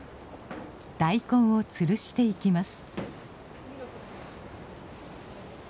大根をつるしていきます。